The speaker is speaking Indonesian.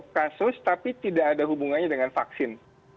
kasus tapi tidak ada hubungannya dengan vaksin